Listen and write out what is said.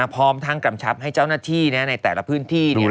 พร้อมทั้งกำชับให้เจ้าหน้าที่ในแต่ละพื้นที่